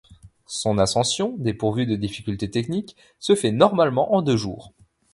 Son ascension, dépourvue de difficulté technique, se fait normalement en deux jours.